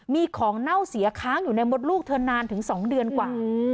มีของเน่าเสียค้างอยู่ในมดลูกเธอนานถึง๒เดือนกว่า